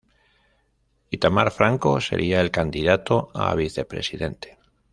Itamar Franco sería el candidato a vicepresidente.